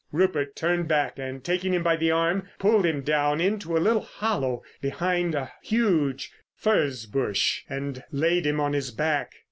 Rupert turned back and, taking him by the arm, pulled him down into a little hollow behind a huge furze bush and laid him on his back.